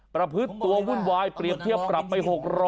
ประพฤติตัววุ่นวายเปรียบเทียบปรับไป๖๐๐